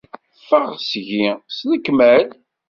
Ffeɣ seg-i s lekmal.